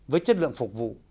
với chất lượng phục vụ